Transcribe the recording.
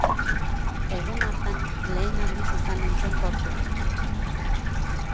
Egun hartan lehen aldiz izan nintzen bortuan!